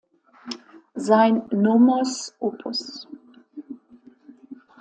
Sein „Nomos“ op.